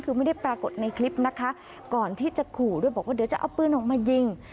คือไม่ได้ปรากฏในคลิปนะคะก่อนที่จะขู่ด้วยบอกว่าเดี๋ยวจะเอาปืนออกมายิง